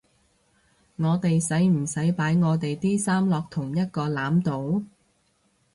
我哋使唔使擺我地啲衫落同一個籃度？